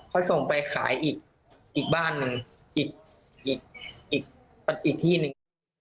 เขาส่งไปขายอีกบ้านหนึ่งอีกที่หนึ่ง